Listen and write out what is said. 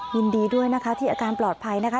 ยินดีด้วยนะคะที่อาการปลอดภัยนะคะ